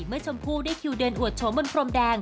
ชมพู่ได้คิวเดินอวดโฉมบนพรมแดง